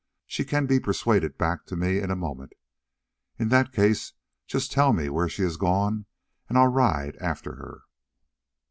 She can be persuaded back to me in a moment. In that case just tell me where she has gone and I'll ride after her."